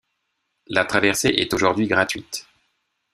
La traversée est aujourd'hui gratuite.